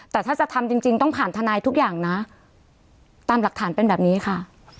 แต่ถ้าจะทำจริงจริงต้องผ่านทนายทุกอย่างนะตามหลักฐานเป็นแบบนี้ค่ะ